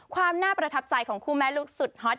ความน่าประทับใจของคู่แม่ลูกสุดฮอต